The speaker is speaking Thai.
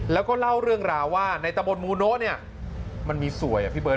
แล้วก็เล่าเรื่องราวว่าในตะบนมูโนะเนี่ยมันมีสวยอ่ะพี่เบิร์